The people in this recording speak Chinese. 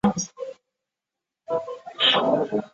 知道未来的趋势与应用